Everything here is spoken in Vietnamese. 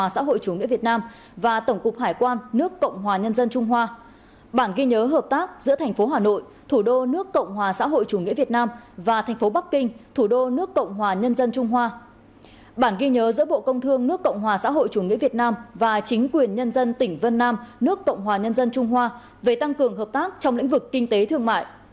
bản ghi nhớ giữa bộ công thương nước cộng hòa xã hội chủ nghĩa việt nam và bộ thương mại nước cộng hòa nhân dân trung hoa về tăng cường hợp tác bảo đảm chuỗi cung ứng việt trung